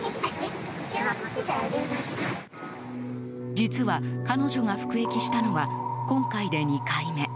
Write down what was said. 実は、彼女が服役したのは今回で２回目。